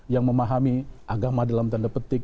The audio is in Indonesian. yang memahami agama dalam tanda petik